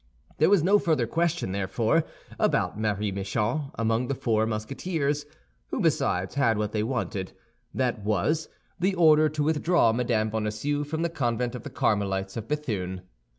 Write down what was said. There was no further question, therefore, about Marie Michon among the four Musketeers, who besides had what they wanted: that was, the order to withdraw Mme. Bonacieux from the convent of the Carmelites of Béthune.